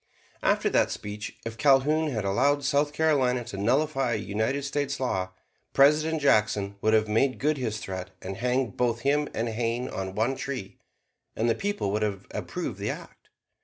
After that speech, if Calhoun had allowed South Carolina to nullify a United States law, President Jackson would have made good his threat and hanged both him and Hayne on one tree, and the people would have approved the act.